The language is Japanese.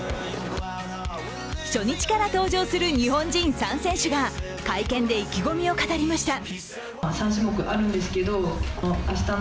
初日から登場する日本人３選手が会見で意気込みを語りました。